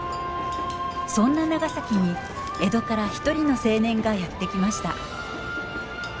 そんな長崎に江戸から一人の青年がやって来ました。